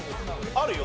あるよ。